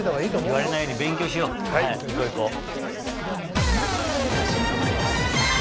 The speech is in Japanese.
言われないように勉強しよう行こう行こう。